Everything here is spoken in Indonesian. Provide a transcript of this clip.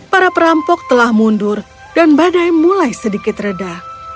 para perampok telah mundur dan badai mulai sedikit reda